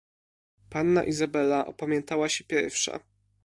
"Panna Izabela opamiętała się pierwsza."